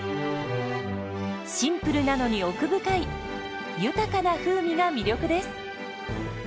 シンプルなのに奥深い豊かな風味が魅力です。